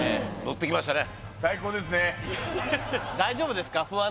ッてきましたね